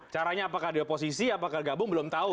caranya apakah dioposisi apakah gabung belum tahu